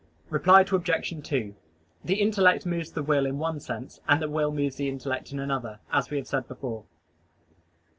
Reply Obj. 2: The intellect moves the will in one sense, and the will moves the intellect in another, as we have said above.